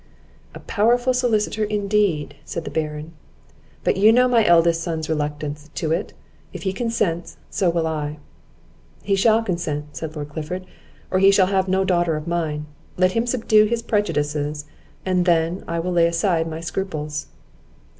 "A powerful solicitor indeed!" said the Baron; "but you know my eldest son's reluctance to it; if he consents, so will I." "He shall consent," said Lord Clifford, "or he shall have no daughter of mine. Let him subdue his prejudices, and then I will lay aside my scruples."